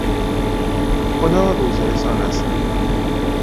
خدا روزیرسان است.